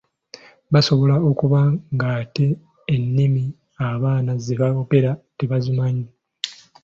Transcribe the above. Basobola okuba ng'ate ennimi abaana ze boogera tebazimanyi.